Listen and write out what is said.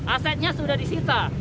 asetnya sudah disita